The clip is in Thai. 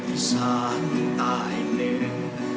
อิษฐานตายเดิน